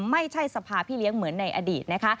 ไม่ใช่สภาพี่เลี้ยงเหมือนในอดีตนะคะ